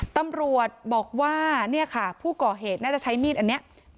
ตำรวจบอกว่าเนี่ยค่ะผู้ก่อเหตุน่าจะใช้มีดอันนี้